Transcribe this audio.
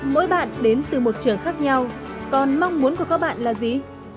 mỗi bạn đến từ một trường khác nhau còn mong muốn của các bạn là gì